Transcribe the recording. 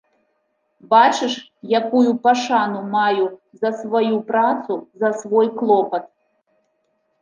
Бачыш, якую пашану маю за сваю працу, за свой клопат.